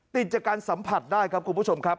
ติดจากการสัมผัสได้ครับคุณผู้ชมครับ